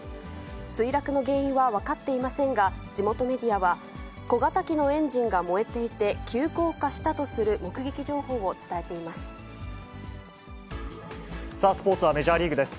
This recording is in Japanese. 墜落の原因は分かっていませんが、地元メディアは、小型機のエンジンが燃えていて、急降下したとする目撃情報を伝えています。